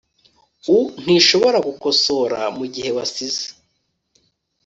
ou ntishobora gukosora mugihe wasize